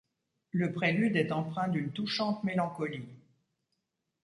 Le prélude est empreint d'une touchante mélancolie.